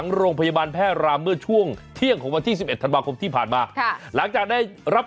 ก็ไม่เคยสนใจไม่ไม่มีใครสนใจไม่